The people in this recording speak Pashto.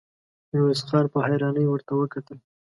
ميرويس خان په حيرانۍ ورته وکتل.